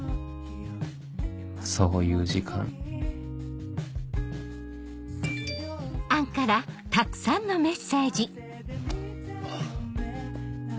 そういう時間あ。